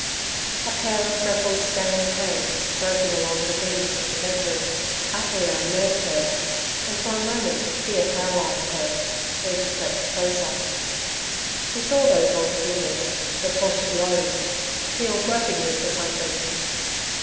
A pair of freckled, scaly hands, groping along the beams of the bedroom, utterly unnerved her, and for a moment fear paralyzed her, then she crept closer. She saw those long fingers, that Boshy loathed, feel gropingly for something.